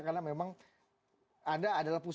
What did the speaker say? karena memang anda adalah pusat